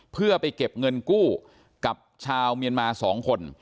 เพื่อไปเก็บเงินกู้กับชาวเมียนมา๒คน